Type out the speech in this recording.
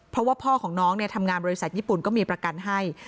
เพราะว่าพ่อของน้องทำงานบริษัทญี่ปุ่นก็มีประกันให้